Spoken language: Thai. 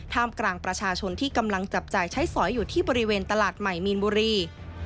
กลางประชาชนที่กำลังจับจ่ายใช้สอยอยู่ที่บริเวณตลาดใหม่มีนบุรี